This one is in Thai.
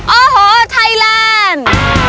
โอ้โหไทยแลนด์